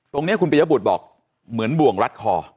ตรงนี้คุณปียบุตรบอกเหมือนบ่วงรัดคอ